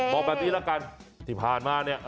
บอกแบบนี้ละกันที่ผ่านมาเนี่ย